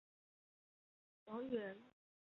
王羽人。